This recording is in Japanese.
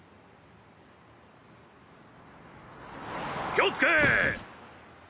気をつけ。